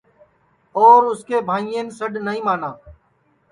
اور اُس کے بھائین سڈؔ نائی مانا